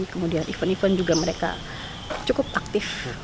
kemudian event event juga mereka cukup aktif